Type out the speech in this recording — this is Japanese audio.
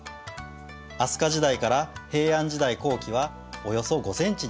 飛鳥時代から平安時代後期はおよそ５センチになります。